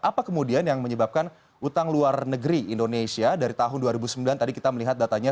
apa kemudian yang menyebabkan utang luar negeri indonesia dari tahun dua ribu sembilan tadi kita melihat datanya